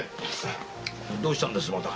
どうしたんですまた。